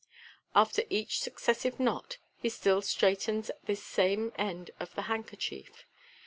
After each successive knot he still straightens this same end of the handkerchief.